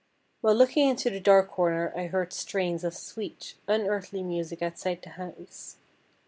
While looking into the dark corner I heard strains of sweet, unearthly music outside the house.